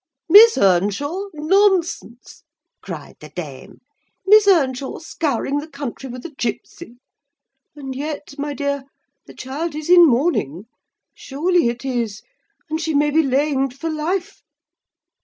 "'Miss Earnshaw? Nonsense!' cried the dame; 'Miss Earnshaw scouring the country with a gipsy! And yet, my dear, the child is in mourning—surely it is—and she may be lamed for life!